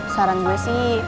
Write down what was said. saran gue sih